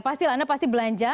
pasti anda belanja